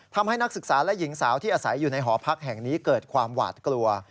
นักศึกษาและหญิงสาวที่อาศัยอยู่ในหอพักแห่งนี้เกิดความหวาดกลัว